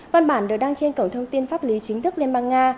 văn bản được đăng trên cổng thông tin pháp lý chính thức liên bang nga